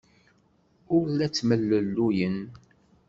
Ur la ttemlelluyen.